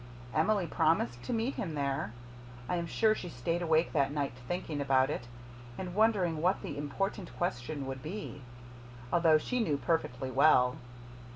Emily promised to meet him there. I am sure she stayed awake that night, thinking about it, and wondering what the important question would be, although she knew perfectly well.